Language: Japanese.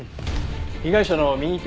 被害者の右手